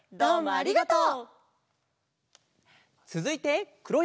ありがとう。